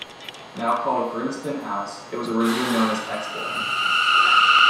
Now called Grimston House, it was originally known as X Block.